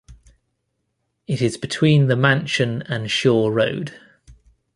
It is between the mansion and Shore Road.